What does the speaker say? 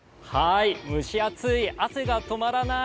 蒸し暑い汗が止まらない。